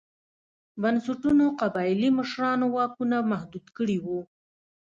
بنسټونو قبایلي مشرانو واکونه محدود کړي وو.